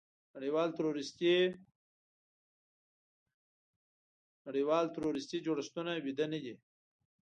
نړیوال تروریستي جوړښتونه ویده نه دي.